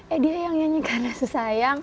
eh dia yang nyanyikan rasa sayang